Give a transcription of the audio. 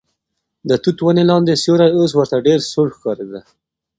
د توت ونې لاندې سیوری اوس ورته ډېر سوړ ښکارېده.